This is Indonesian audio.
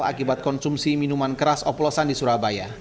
akibat konsumsi minuman keras oplosan di surabaya